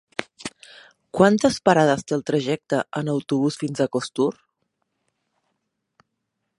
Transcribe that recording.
Quantes parades té el trajecte en autobús fins a Costur?